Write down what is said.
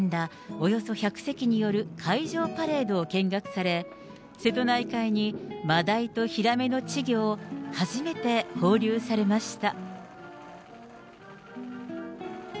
およそ１００隻による海上パレードを見学され、瀬戸内海にマダイとヒラメの稚魚を、初めて放流されました。